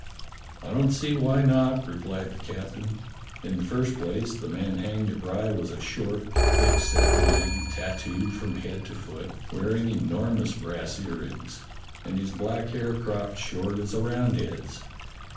"I don't see why not," replied the captain. "In the first place, the man hanged at Rye was a short, thick set man, tattooed from head to foot, wearing enormous brass earrings, and his black hair cropped short as a Roundhead's."